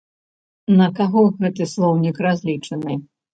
На каго гэты слоўнік разлічаны?